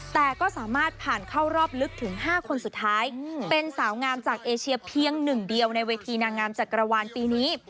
แต่ก็สามารถผ่านเข้ารอบลึกถึง๕คนสุดท้ายเป็นสาวงามจากเอเชียเพียงหนึ่งเดียวในเวทีนางงามจักรวาลปีนี้